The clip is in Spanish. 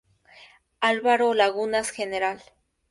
Álvaro Lagunas, Gral.